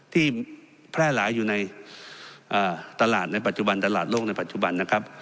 แพร่หลายอยู่ในตลาดในปัจจุบันตลาดโลกในปัจจุบันนะครับ